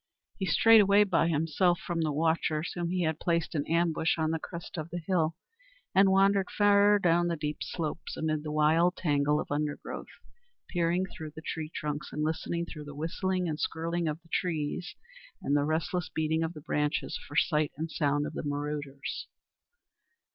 He strayed away by himself from the watchers whom he had placed in ambush on the crest of the hill, and wandered far down the steep slopes amid the wild tangle of undergrowth, peering through the tree trunks and listening through the whistling and skirling of the wind and the restless beating of the branches for sight and sound of the marauders.